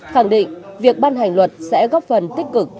khẳng định việc ban hành luật sẽ góp phần tích cực